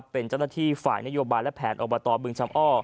เป็นเจ้าหน้าที่ฝ่ายนโยบายและแผนอบตบึงชำอ้อ